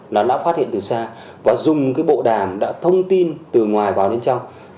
là đã phát hiện từ xa và dùng cái bộ đàm đã thông tin từ ngoài vào đến trong